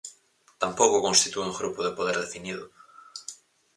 Tampouco constitúe un grupo de poder definido.